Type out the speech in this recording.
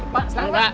pak salam pak